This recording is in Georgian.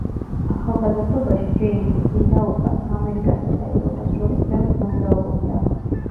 ახალგაზრდობაში ჯეიმზი, წინ და უკან, ამერიკასა და ევროპას შორის ბევრს მოგზაურობდა.